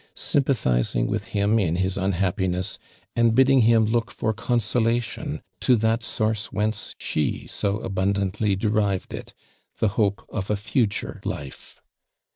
sympathizing with him in his unhappiness, and bidding hint look for consolation to that source whence she so abundantly derived it, the hope of a future life.